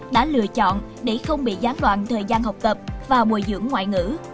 đã lựa chọn để không bị gián đoạn thời gian học tập và bồi dưỡng ngoại ngữ